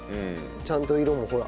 ちゃんと色もほら。